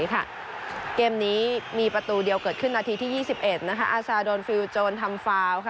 เกมนี้มีประตูเดียวเกิดขึ้นนาทีที่๒๑อาซาโดนฟิลโจรทำฟาว